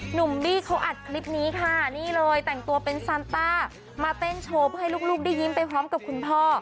บี้เขาอัดคลิปนี้ค่ะนี่เลยแต่งตัวเป็นซานต้ามาเต้นโชว์เพื่อให้ลูกได้ยิ้มไปพร้อมกับคุณพ่อ